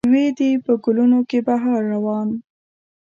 وي دې په ګلونو کې بهار روان